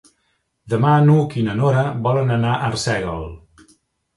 Demà n'Hug i na Nora volen anar a Arsèguel.